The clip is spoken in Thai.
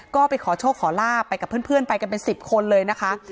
ก็ไปขอโชคขอลาบไปกับเพื่อนไปกันเป็น๑๐คนเลยนะคะ